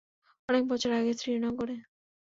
অনেক বছর আগে শ্রীনগরে।